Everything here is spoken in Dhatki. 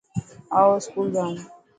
آو اسڪول جائون.